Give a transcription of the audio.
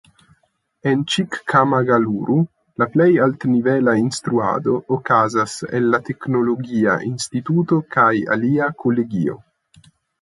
En Ĉikkamagaluru la plej altnivela instruado okazas en la teknologia instituto kaj alia kolegio.